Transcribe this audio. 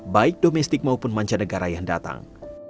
baik domestik maupun mancanegara yang datang